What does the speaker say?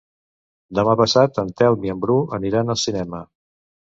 Demà passat en Telm i en Bru aniran al cinema.